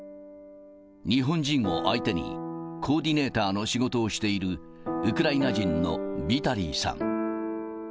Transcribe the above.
日本人を相手にコーディネーターの仕事をしている、ウクライナ人のビタリーさん。